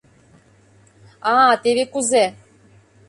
— А-а, теве кузе!